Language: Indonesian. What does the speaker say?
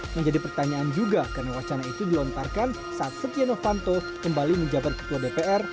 menjadi pertanyaan juga karena wacana itu dilontarkan saat setia novanto kembali menjabat ketua dpr